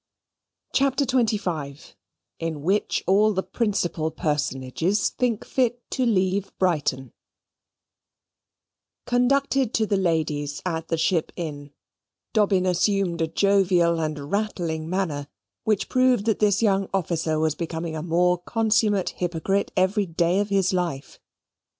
CHAPTER XXV In Which All the Principal Personages Think Fit to Leave Brighton Conducted to the ladies, at the Ship Inn, Dobbin assumed a jovial and rattling manner, which proved that this young officer was becoming a more consummate hypocrite every day of his life.